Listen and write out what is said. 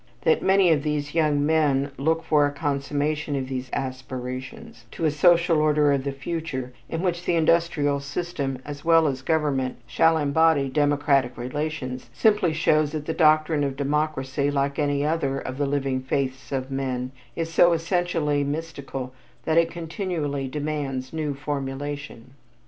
That many of these young men look for a consummation of these aspirations to a social order of the future in which the industrial system as well as government shall embody democratic relations, simply shows that the doctrine of Democracy like any other of the living faiths of men, is so essentially mystical that it continually demands new formulation.